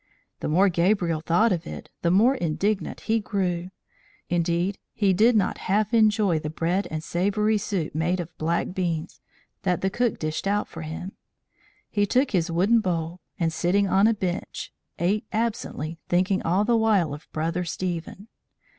The more Gabriel thought of it the more indignant he grew. Indeed, he did not half enjoy the bread and savoury soup made of black beans, that the cook dished out for him; he took his wooden bowl, and sitting on a bench, ate absently, thinking all the while of Brother Stephen.